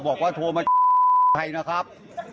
บอกว่าโทรมาใครนะครับ